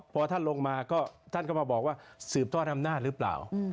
พอท่านลงมาก็ท่านก็มาบอกว่าสืบทอดอำนาจหรือเปล่า